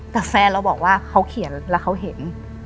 แต่แฟนเราบอกว่าเขาเขียนแล้วเขาเห็น